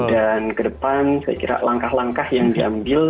dan kedepan saya kira langkah langkah yang diambil